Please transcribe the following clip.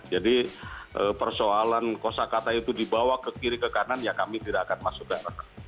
jadi persoalan kosa kata itu dibawa ke kiri ke kanan ya kami tidak akan masuk darah